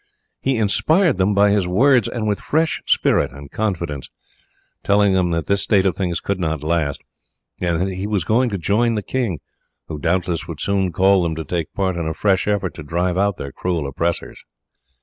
He inspired them by his words with fresh spirit and confidence, telling them that this state of things could not last, and that he was going to join the king, who doubtless would soon call them to take part in a fresh effort to drive out their cruel oppressors.